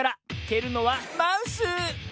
けるのはマウス！